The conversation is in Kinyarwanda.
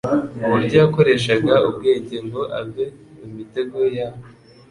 Uburyo yakoreshaga ubwenge ngo ave mu mitego yabo,